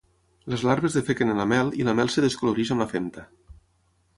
Les larves defequen en la mel i la mel es descoloreix amb la femta.